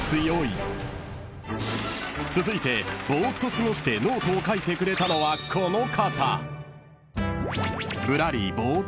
［続いてボーっと過ごしてノートを書いてくれたのはこの方］